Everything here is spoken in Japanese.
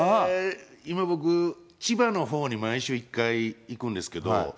今僕、千葉のほうに毎週１回行くんですけど。